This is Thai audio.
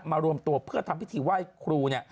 รวมตัวเพื่อทำพิธีไหว้ครู